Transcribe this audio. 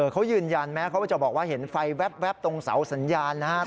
เขายืนยันแม้เขาจะบอกว่าเห็นไฟแว๊บตรงเสาสัญญาณนะครับ